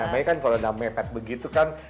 nah mereka kan kalau namanya pet begitu kan